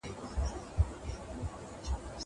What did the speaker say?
زه پرون کتابونه وړلي.